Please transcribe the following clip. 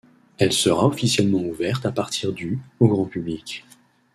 Elle sera officiellement ouverte à partir du au grand public.